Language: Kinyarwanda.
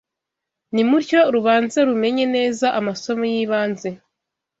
nimutyo rubanze rumenye neza amasomo y’ibanze